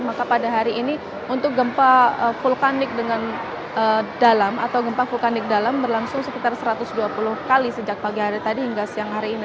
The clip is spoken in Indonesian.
maka pada hari ini untuk gempa vulkanik dalam berlangsung sekitar satu ratus dua puluh kali sejak pagi hari tadi hingga siang hari ini